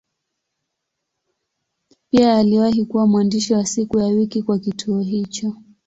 Pia aliwahi kuwa mwandishi wa siku ya wiki kwa kituo hicho.